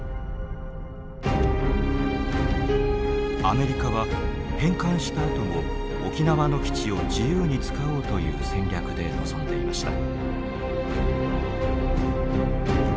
アメリカは返還したあとも沖縄の基地を自由に使おうという戦略で臨んでいました。